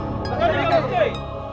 sakari genggut cik